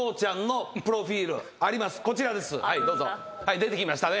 出てきましたね。